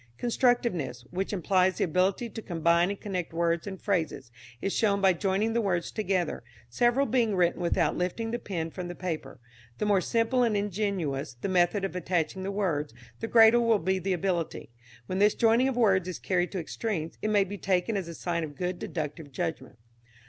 Constructiveness, which implies the ability to combine and connect words and phrases, is shown by joining the words together, several being written without lifting the pen from the paper. The more simple and ingenuous the method of attaching the words, the greater will be the ability. When this joining of words is carried to extremes, it may be taken as a sign of good deductive judgment.